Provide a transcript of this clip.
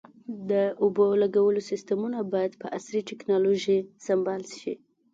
د اوبو لګولو سیستمونه باید په عصري ټکنالوژۍ سنبال شي.